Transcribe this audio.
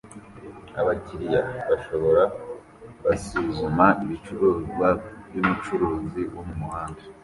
Abakiriya bashoboka basuzuma ibicuruzwa byumucuruzi wo mumuhanda